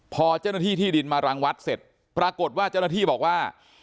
พอเจ้าหน้าที่ที่ดินมารังวัดเสร็จปรากฏว่าเจ้าหน้าที่บอกว่า